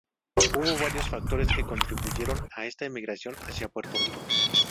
Hubo varios factores que contribuyeron a esta emigración hacia Puerto Rico.